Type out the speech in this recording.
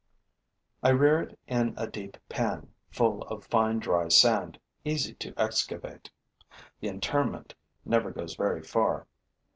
I rear it in a deep pan, full of fine, dry sand, easy to excavate. The interment never goes very far.